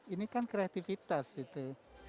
ini kan kreativitas gitu